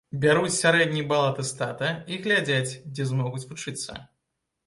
Бяруць сярэдні бал атэстата і глядзяць, дзе змогуць вучыцца.